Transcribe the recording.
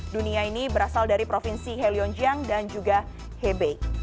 dunia ini berasal dari provinsi helyonjang dan juga hebei